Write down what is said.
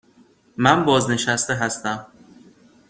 من بازنشسته هستم.